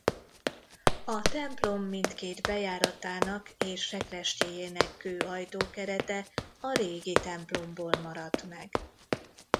A templom mindkét bejáratának és sekrestyéjének kő ajtókerete a régi templomból maradt meg.